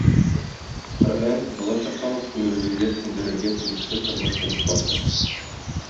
Корьән – балачактан ук күңелебезгә сеңдерергә тиешле тормыш әлифбасы.